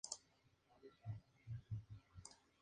Fue abuelo del poeta uruguayo Manuel Nicolás Ugarteche.